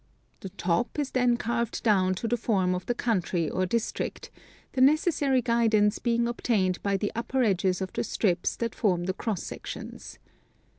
The top is then carved down to the form of the country or district, — the neces sary guidance being obtained by the upper edges of the strips that form the cross sections.